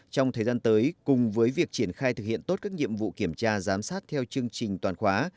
trong thời gian tới cùng với việc triển khai thực hiện tốt các nhiệm vụ kiểm tra giám sát theo chương trình toàn khóa